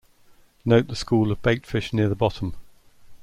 Note the school of baitfish near the bottom.